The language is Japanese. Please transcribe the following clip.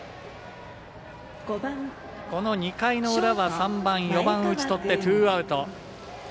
この２回の裏は３番、４番打ちとってツーアウト。